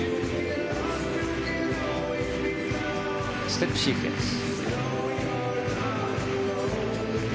ステップシークエンス。